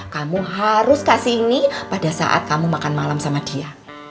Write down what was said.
kamu harus kasih ini pada saat kamu makan malam sama dia